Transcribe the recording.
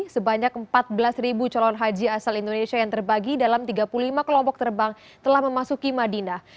sebanyak empat belas calon haji asal indonesia yang terbagi dalam tiga puluh lima kelompok terbang telah memasuki madinah